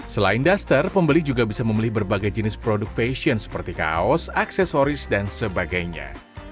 selain duster pembeli juga bisa membeli berbagai jenis produk fashion seperti kaos aksesoris dan sebagainya